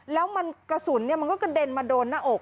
แล้วมันกระสุนมันก็กระเด็นมาโดนหน้าอก